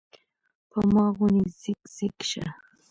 پۀ ما غونے زګ زګ شۀ ـ